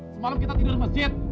semalam kita tidur masjid